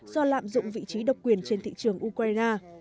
do lạm dụng vị trí độc quyền trên thị trường ukraine